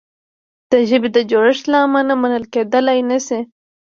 د ژبې د جوړښت له امله منل کیدلای نه شي.